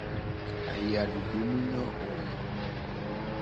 Ayadudu mu nyo o.